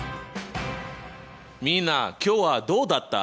みんな今日はどうだった？